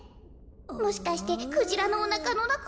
もしかしてクジラのおなかのなか？